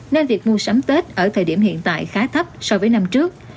nên việc mua sắm tết ở thời điểm hiện tại khá thấp so với năm trước